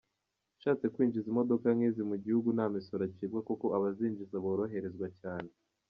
Ushatse kwinjiza imodoka nk’izi mu gihugu nta misoro acibwa kuko abazinjiza boroherezwa cyane.